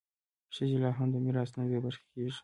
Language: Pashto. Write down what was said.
ښځې لا هم د میراث نه بې برخې کېږي.